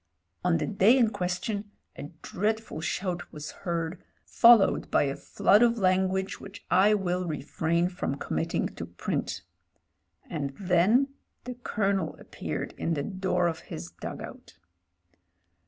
On the day in question a dreadful shout was heard, followed by a flood of language which I will refrain from committing to print. And then the Colonel appeared in the door of his dug out.